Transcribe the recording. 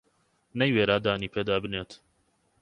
نەیوێرا دانی پێدا بنێت